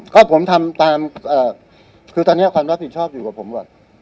ก็ผมทำตามคือตอนนี้ความรับผิดชอบอยู่กับผมก่อน